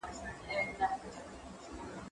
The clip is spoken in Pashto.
زه مخکي ونې ته اوبه ورکړې وې!.